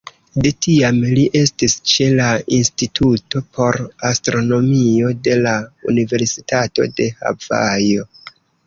De tiam, li estis ĉe la Instituto por Astronomio de la Universitato de Havajo.